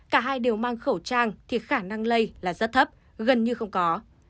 cả hai đều mang khẩu trang thì khả năng lây là rất thấp gần như không có